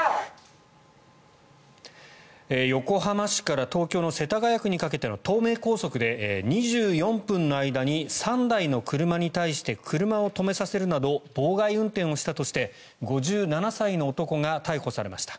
横浜市から東京の世田谷区にかけての東名高速で２４分の間に３台の車に対して車を止めさせるなど妨害運転をしたとして５７歳の男が逮捕されました。